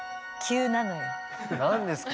何ですか？